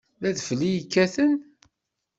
D adfel i yekkaten?